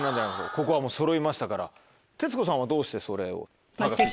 ここはもうそろいましたから徹子さんはどうしてそれを？